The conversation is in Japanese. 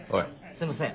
すいません。